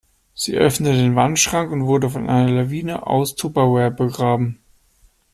Sie öffnete den Wandschrank und wurde von einer Lawine aus Tupperware begraben.